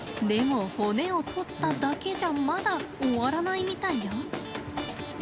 でも骨を取っただけじゃまだ終わらないみたいよ。